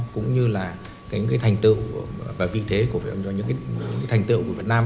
cũng như là những cái thành tựu và vị thế của những cái thành tựu của việt nam